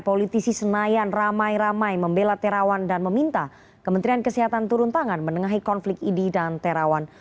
politisi senayan ramai ramai membela terawan dan meminta kementerian kesehatan turun tangan menengahi konflik idi dan terawan